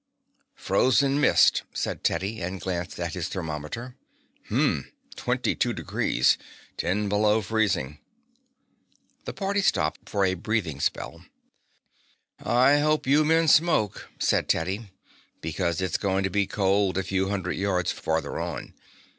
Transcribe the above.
"Frozen mist," said Teddy, and glanced at his thermometer. "H'm! Twenty two degrees. Ten below freezing." The party stopped for a breathing spell. "I hope you men smoke," said Teddy, "because it's going to be cold a few hundred yards farther on.